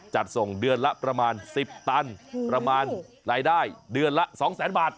จัดส่งเดือนละประมาณ๑๐ตันประมาณรายได้เดือนละ๒๐๐๐๐บาท